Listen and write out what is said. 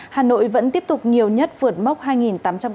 hà nội vẫn tiếp tục nhiều nhất vượt mốc hai tám trăm linh ca